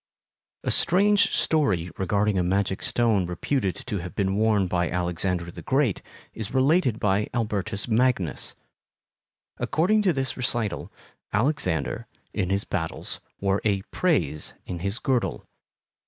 A strange story regarding a magic stone reputed to have been worn by Alexander the Great is related by Albertus Magnus. According to this recital, Alexander, in his battles, wore a "prase" in his girdle.